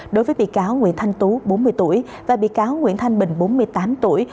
đối với bị cáo nguyễn thanh tú bốn mươi tuổi và bị cáo nguyễn thanh bình bốn mươi tám tuổi